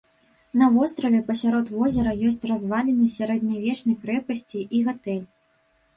На востраве пасярод возера ёсць разваліны сярэднявечнай крэпасці і гатэль.